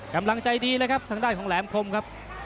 กำลังใจดีเลยครับทางด้านของแหลมคมครับ